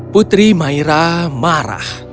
putri maira marah